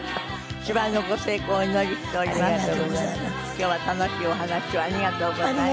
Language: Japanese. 今日は楽しいお話をありがとうございました。